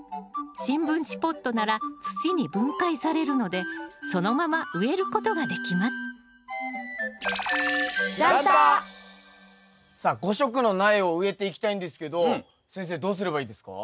新聞紙ポットなら土に分解されるのでそのまま植えることができますさあ５色の苗を植えていきたいんですけど先生どうすればいいですか？